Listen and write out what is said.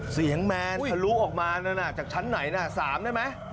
เสียงแมนหลุออกมาจากชั้นไหนหน่ะ๓ได้ไหม